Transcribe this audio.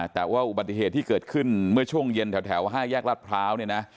แต่ว่าอุบัติเศษที่เกิดขึ้นช่วงเย็นแถวห้าแยกรัดพร้าว